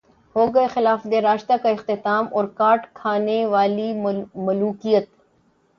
ہوگئے خلافت راشدہ کا اختتام اور کاٹ کھانے والی ملوکیت